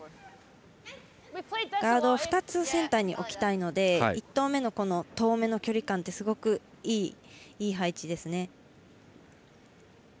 ガードを２つセンターに置きたいので１投目の遠めの距離感ってすごくいい配置ですね。